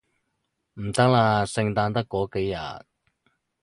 唔得啦，聖誕得嗰幾日